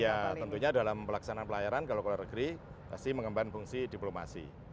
ya tentunya dalam pelaksanaan pelayaran kalau keluar negeri pasti mengembang fungsi diplomasi